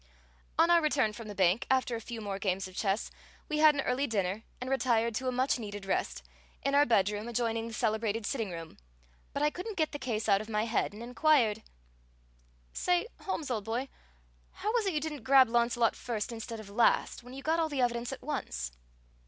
On our return from the bank, after a few more games of chess, we had an early dinner and retired to a much needed rest, in our bedroom adjoining the celebrated sitting room, but I couldn't get the case out of my head, and inquired: "Say, Holmes, old boy, how was it you didn't grab Launcelot first instead of last, when you got all the evidence at once?"